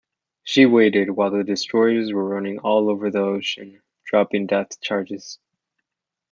She waited while the destroyers "were running all over the ocean" dropping depth charges.